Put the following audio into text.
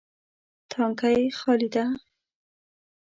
تانکی خالي ده